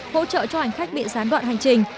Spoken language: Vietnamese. hỗ trợ cho hành khách bị gián đoạn hành trình